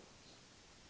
akan dikeluarkan oleh lhkpn